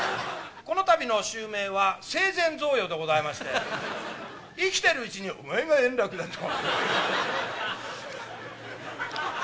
このたびの襲名は、生前贈与でございまして、生きてるうちにお前が円楽だと。